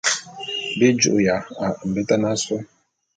Bi ju'uya a mbetan asôé.